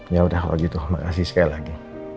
ya udah kalau gitu makasih sekali lagi